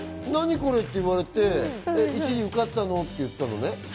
これって言われて、１次受かったの？って言ったのね。